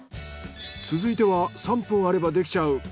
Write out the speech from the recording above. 続いては３分あればできちゃう！